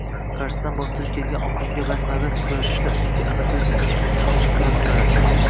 Qarshisidan bostirib kelgan oqimga basma-bas kurashishda unga aniqlik yetishmagani ochiq ko‘rinib turardi.